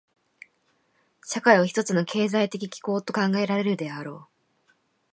社会は一つの経済的機構と考えられるであろう。